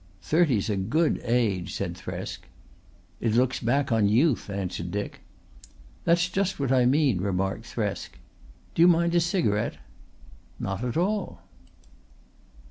"Thirty's a good age," said Thresk. "It looks back on youth," answered Dick. "That's just what I mean," remarked Thresk. "Do you mind a cigarette?" "Not at all."